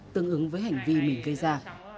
tương ứng với hành vi mình gây ra